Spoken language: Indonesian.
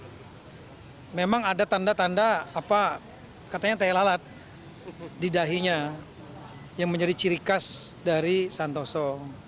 nah memang ada tanda tanda apa katanya daya lalat di dahinya yang menjadi ciri khas dari santoso